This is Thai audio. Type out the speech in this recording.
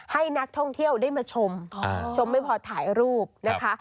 ให้นักท่องเที่ยวได้มาชมชมไม่พอถ่ายรูปนะคะ